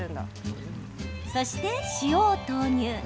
そして、塩を投入。